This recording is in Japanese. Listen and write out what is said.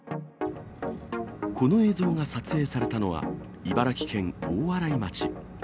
この映像が撮影されたのは、茨城県大洗町。